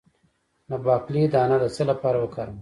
د باقلي دانه د څه لپاره وکاروم؟